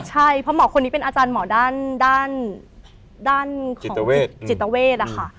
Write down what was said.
ใช่เพราะหมอคนนี้เป็นอาจารย์หมอด้านของจิตเวทอะค่ะ